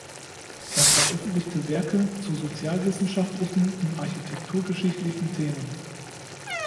Er veröffentlichte Werke zu sozialwissenschaftlichen und architekturgeschichtlichen Themen.